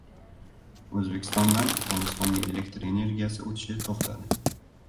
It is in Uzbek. O‘zbekistondan Afg‘onistonga elektr energiyasi o‘tishi to‘xtadi